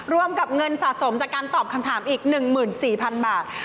รวมกับเงินสะสมจากการตอบคำถามอีก๑๔๐๐๐บาท